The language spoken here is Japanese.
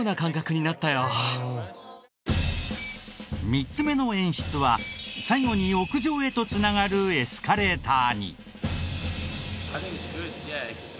３つ目の演出は最後に屋上へと繋がるエスカレーターに。